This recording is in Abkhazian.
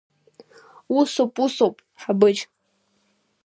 Усоуп, усоуп, Ҳабыџь…